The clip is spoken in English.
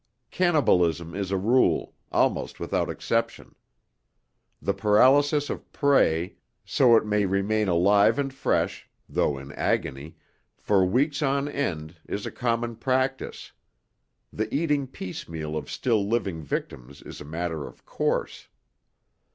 Cannibalism is a rule, almost without exception. The paralysis of prey, so it may remain alive and fresh though in agony for weeks on end, is a common practice. The eating piecemeal of still living victims is a matter of course.